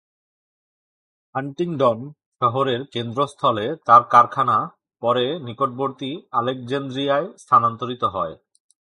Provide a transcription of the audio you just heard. Huntingdon শহরের কেন্দ্রস্থলে তার কারখানা পরে নিকটবর্তী আলেকজান্দ্রিয়ায় স্থানান্তরিত হয়।